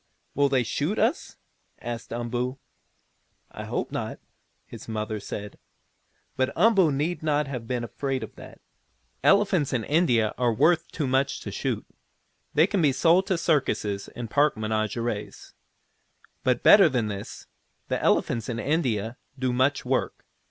"Will they shoot us?" asked Umboo. "I hope not," his mother said. But Umboo need not have been afraid of that. Elephants in India are worth too much to shoot. They can be sold to circuses and park menageries. But, better than this, the elephants in India do much work.